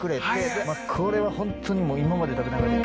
これはホントに今まで食べた中で。